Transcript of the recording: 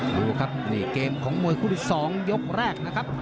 ดูครับนี่เกมของมวยคู่ที่๒ยกแรกนะครับ